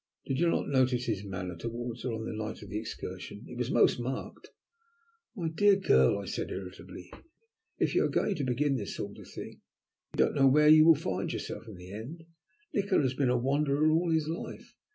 "Did you not notice his manner towards her on the night of our excursion? It was most marked." "My dear girl," I said irritably, "if you are going to begin this sort of thing, you don't know where you will find yourself in the end. Nikola has been a wanderer all his life.